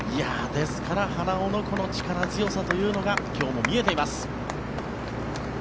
ですから花尾の力強さというのが今日も見えています。